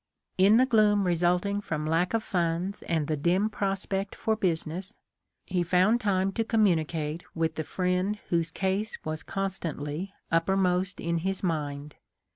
In the gloom resulting from lack of funds and the dim prospect for business, he found time to communicate with the friend whose case was con stantly uppermost in his mind.